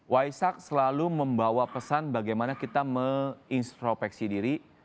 waisak selalu membawa pesan bagaimana kita menginstropeksi diri